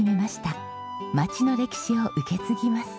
町の歴史を受け継ぎます。